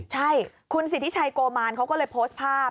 ใช่คุณสิทธิชัยโกมารเขาก็เลยโพสต์ภาพ